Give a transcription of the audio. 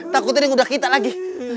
takutnya udah kita lagi